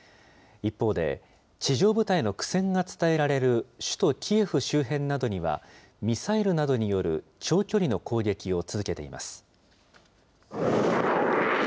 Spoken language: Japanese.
一方で、地上部隊の苦戦が伝えられる首都キエフ周辺などには、ミサイルなどによる長距離の攻撃を続けています。